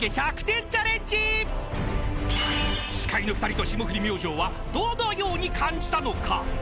［司会の２人と霜降り明星はどのように感じたのか？］